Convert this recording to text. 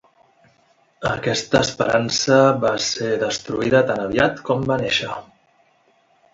Aquesta esperança va ser destruïda tan aviat com va néixer.